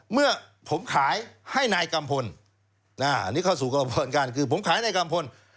เมื่อผมขายให้นายกัมพลอันนี้เข้าสู่กระบวนการคือผมขายนายกัมพล